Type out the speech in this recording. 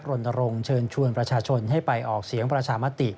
รณรงค์เชิญชวนประชาชนให้ไปออกเสียงประชามติ